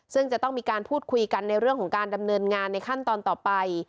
ซึ่งจะต้องมีการพูดคุยกันในเรื่องของการดำเนินงานในขั้นตอนต่อไป